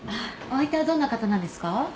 お相手はどんな方なんですか？